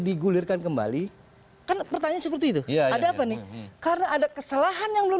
digulirkan kembali kan pertanyaan seperti itu ada apa nih karena ada kesalahan yang belum